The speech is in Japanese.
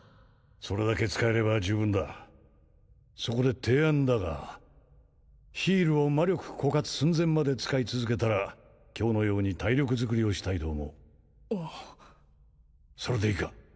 それだけ使えれば十分だそこで提案だがヒールを魔力枯渇寸前まで使い続けたら今日のように体力作りをしたいと思うそれでいいか？